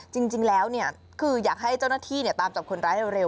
จริงแล้วคืออยากให้เจ้าหน้าที่ตามจับคนร้ายเร็ว